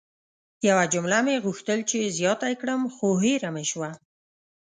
یوه جمله مې غوښتل چې زیاته ېې کړم خو هیره مې سوه!